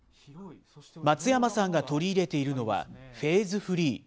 松山さんが取り入れているのは、フェーズフリー。